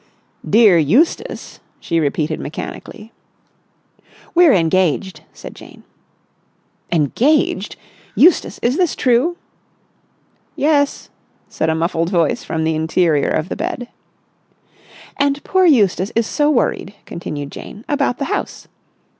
"'Dear Eustace!'" she repeated mechanically. "We're engaged," said Jane. "Engaged! Eustace, is this true?" "Yes," said a muffled voice from the interior of the bed. "And poor Eustace is so worried," continued Jane, "about the house."